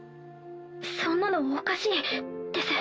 そんなのおかしいです。